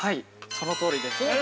そのとおりです。